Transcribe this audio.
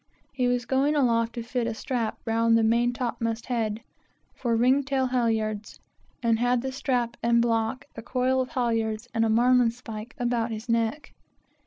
He was going aloft to fit a strap round the main top mast head, for ringtail halyards, and had the strap and block, a coil of halyards and a marline spike about his neck.